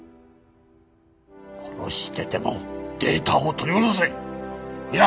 殺してでもデータを取り戻せ！いいな？